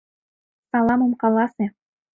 Саламым каласе.